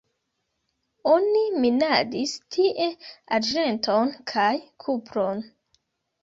Oni minadis tie arĝenton kaj kupron.